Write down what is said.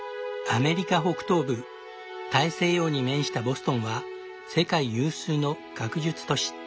アメリカ北東部大西洋に面したボストンは世界有数の学術都市。